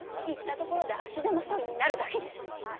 行ったところで足手まといになるだけです。